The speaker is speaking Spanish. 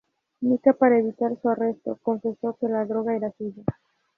Nica para evitar su arresto, confesó que la droga era suya.